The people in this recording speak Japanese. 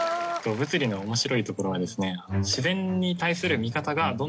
物理の面白いところは。